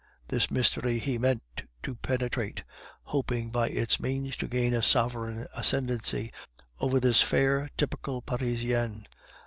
This mystery he meant to penetrate, hoping by its means to gain a sovereign ascendency over this fair typical Parisian.